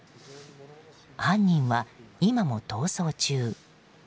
犯人は今も逃走中。